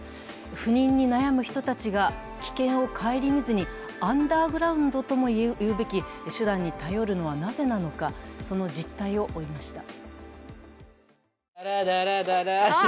不妊に悩む人たちが危険を顧みずにアンダーグラウンドとも言うべき手段に頼るのはなぜなのか、その実態を追いました。